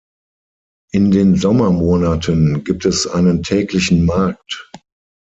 In den Sommermonaten gibt es einen täglichen Markt.